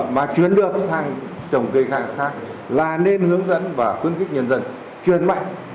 mà chuyển được sang trồng cây khác là nên hướng dẫn và khuyến khích nhân dân chuyển mạnh